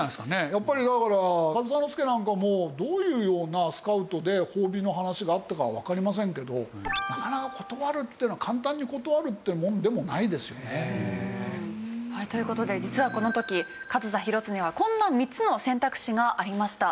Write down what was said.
やっぱりだから上総介なんかもどういうようなスカウトで褒美の話があったかはわかりませんけどなかなか断るっていうのは簡単に断るってもんでもないですよね。という事で実はこの時上総広常はこんな３つの選択肢がありました。